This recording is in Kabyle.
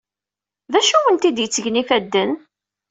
D acu awen-d-yettgen ifadden?